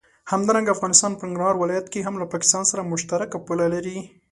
همدارنګه افغانستان په ننګرهار ولايت کې هم له پاکستان سره مشترکه پوله لري.